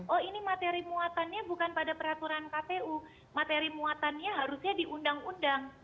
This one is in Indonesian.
oh ini materi muatannya bukan pada peraturan kpu materi muatannya harusnya di undang undang